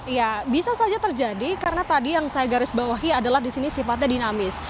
ya bisa saja terjadi karena tadi yang saya garis bawahi adalah di sini sifatnya dinamis